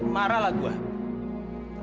marah lah gue